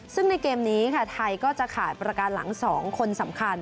ซึ่งในเกมนี้ค่ะไทยก็จะขาดประการหลัง๒คนสำคัญ